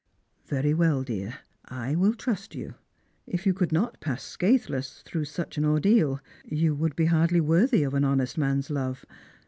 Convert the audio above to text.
" Very well, dear, I will trust you. If you could not pass scatheless through such an ordeal, you would be hardly worthy of an honest man's love.